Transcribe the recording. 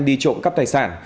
đi trộm cắp tài sản